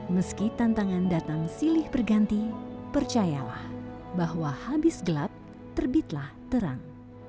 meski tantangan datang silih berganti percayalah bahwa habis gelap terbitlah terang